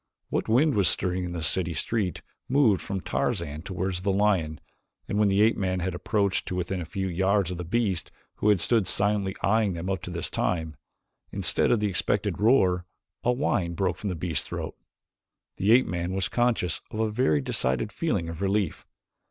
What wind was stirring in the city street moved from Tarzan toward the lion and when the ape man had approached to within a few yards of the beast, who had stood silently eyeing them up to this time, instead of the expected roar, a whine broke from the beast's throat. The ape man was conscious of a very decided feeling of relief.